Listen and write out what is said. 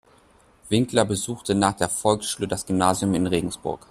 Winkler besuchte nach der Volksschule das neue Gymnasium in Regensburg.